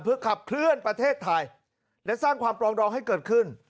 เพื่อขับเคลื่อนประเทศไทยและสร้างความปลองดองให้เกิดขึ้น